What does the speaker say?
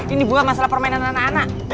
ini buah masalah permainan anak anak